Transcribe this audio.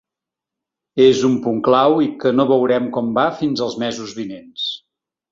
És un punt clau i que no veurem com va fins als mesos vinents.